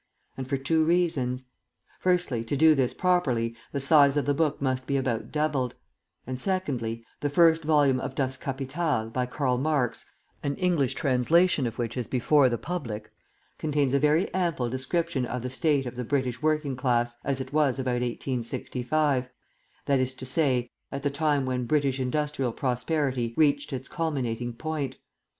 And for two reasons: Firstly, to do this properly, the size of the book must be about doubled; and, secondly, the first volume of "Das Kapital," by Karl Marx, an English translation of which is before the public, contains a very ample description of the state of the British working class, as it was about 1865, that is to say, at the time when British industrial prosperity reached its culminating point.